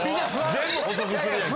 全部補足するやんけ。